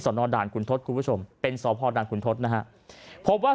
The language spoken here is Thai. สดดคุณทศคุณผู้ชมเป็นสพดคุณทศนะฮะพบว่า